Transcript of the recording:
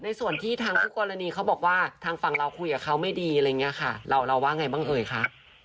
ส่วนที่ทางคู่กรณีเขาบอกว่าทางฝั่งเราคุยกับเขาไม่ดีอะไรอย่างนี้ค่ะเราว่าไงบ้างเอ่ยคะ